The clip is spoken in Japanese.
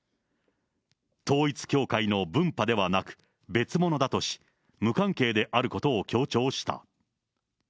統一教会の分派ではなく、別物だとし、無関係であることを強調した。